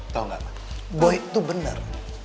tau gak boy itu bener